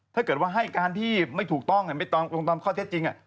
ถ้าเกิดว่าให้การที่ไม่ถูกต้องตามข้อเท็จจริง